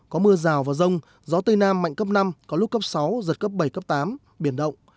có mưa rào và rông gió tây nam mạnh cấp năm có lúc cấp sáu giật cấp bảy cấp tám biển động